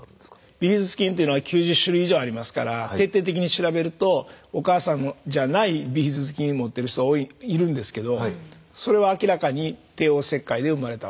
ビフィズス菌っていうのは９０種類以上ありますから徹底的に調べるとお母さんじゃないビフィズス菌を持ってる人いるんですけどそれは明らかに帝王切開で生まれたお子さんで。